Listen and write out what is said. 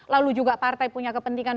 lalu juga partai punya kepentingan